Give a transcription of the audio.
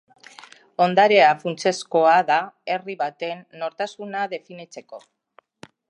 Ondarea funtsezkoa da herri baten nortasuna definitzeko.